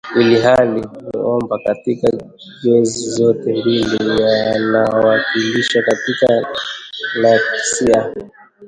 ilhali maumbo katika jozi zote mbili yanawakilishwa katika leksia